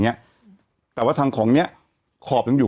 แต่หนูจะเอากับน้องเขามาแต่ว่า